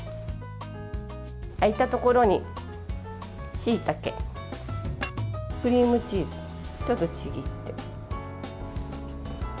空いたところに、しいたけクリームチーズちょっとちぎって。